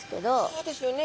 そうですよね。